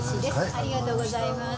ありがとうございます。